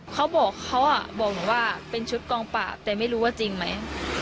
เขาก็บอกว่าเป็นชุดกองปรับแต่ไม่รู้ว่าจริงไหม